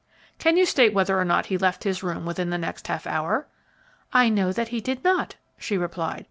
"Can you state whether or not he left his room within the next half hour?" "I know that he did not," she replied.